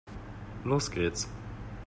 Los geht's!